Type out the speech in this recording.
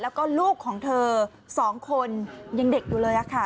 แล้วก็ลูกของเธอ๒คนยังเด็กอยู่เลยค่ะ